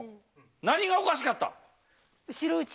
何がおかしかった？